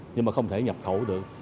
nhưng mà không thể nhập khẩu được